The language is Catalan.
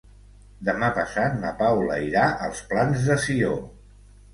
Demà passat na Paula irà als Plans de Sió.